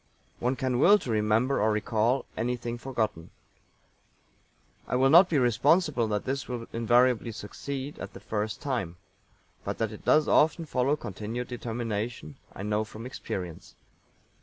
One can will to remember or recall anything forgotten. I will not be responsible that this will invariably succeed at the first time, but that it does often follow continued determination I know from experience.